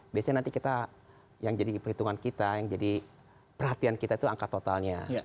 biasanya nanti kita yang jadi perhitungan kita yang jadi perhatian kita itu angka totalnya